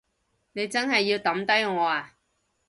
你真係要抌低我呀？